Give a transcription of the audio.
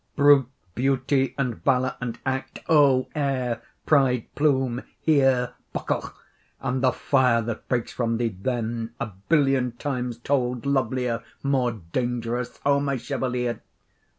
Brute beauty and valour and act, oh, air, pride, plume, here Buckle! AND the fire that breaks from thee then, a billion Times told lovelier, more dangerous, O my chevalier!